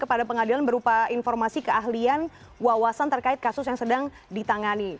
kepada pengadilan berupa informasi keahlian wawasan terkait kasus yang sedang ditangani